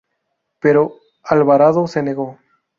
Pero Alvarado se negó.